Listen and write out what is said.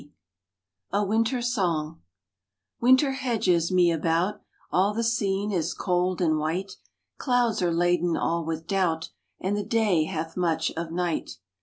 A WINTER SONG WINTER hedges me about, All the scene is cold and white. Clouds are laden all with doubt, And the day hath much of night.